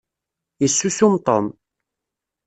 Yessusum Tom.